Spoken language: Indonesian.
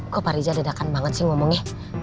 kok pak riza ledakan banget sih ngomongnya